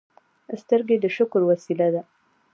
سترګې د شکر وسیله ده